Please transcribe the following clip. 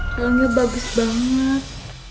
kalungnya bagus banget